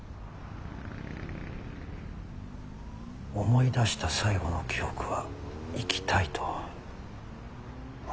思い出した最後の記憶は「生きたい」と。